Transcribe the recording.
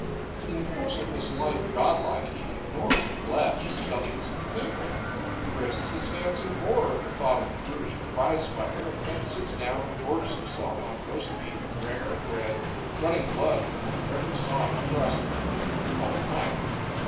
In the course of his life godlike he ignores the flesh until he gets to table. He raises his hands in horror at the thought of the brutish prize fighter, and then sits down and gorges himself on roast beef, rare and red, running blood under every sawing thrust of the implement called a knife.